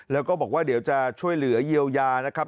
แล้วก็บอกว่าเดี๋ยวจะช่วยเหลือเยียวยานะครับ